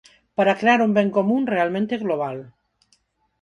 Para crear un ben común realmente global.